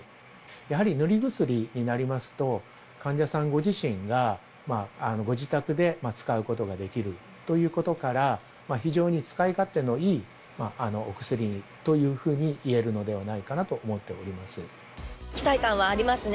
やはり塗り薬になりますと、患者さんご自身がご自宅で使うことができるということから、非常に使い勝手のいいお薬というふうにいえるのではないかなと思期待感はありますね。